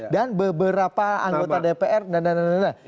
dan beberapa anggota dpr dan dan dan dan